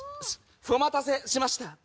フォ待たせしました。